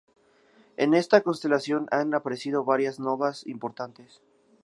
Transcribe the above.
En esta constelación han aparecido varias novas importantes.